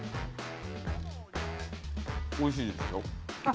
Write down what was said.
おいしいですよ。